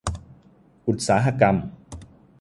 อุตสาหกรรม